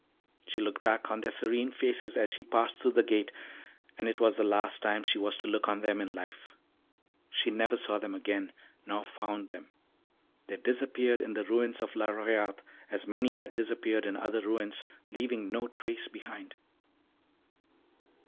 She looked back on their serene faces as she passed through the gate, and it was the last time she was to look on them in life. She never saw them again, nor found them. They disappeared in the ruins of La Royat as many had disappeared in other ruins, leaving no trace behind.